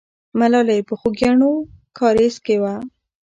ملالۍ په خوګیاڼیو کارېز کې وه.